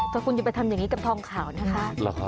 แต่คุณอย่าไปทำอย่างนี้กับทองขาวนะคะ